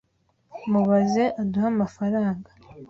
Mubaze aduhe amafaranga.